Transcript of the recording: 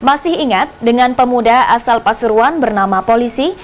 masih ingat dengan pemuda asal pasuruan bernama polisi